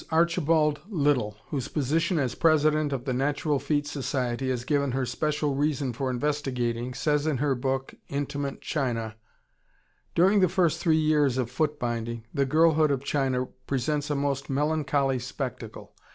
Archibald Little, whose position as president of the Natural feet Society has given her special reason for investigating, says in her book, "Intimate China": "During the first three years (of foot binding) the girlhood of China presents a most melancholy spectacle.